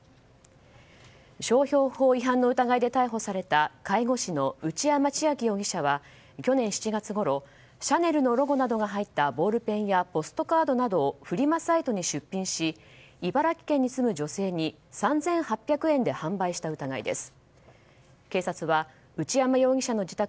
商標法違反の疑いで逮捕された介護士の内山千晶容疑者は去年７月ごろシャネルのロゴなどが入ったボールペンやポストカードなどをフリマサイトに出品し茨城県に住む女性に３８００円で販売した疑いです。